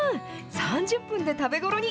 ３０分で食べごろに。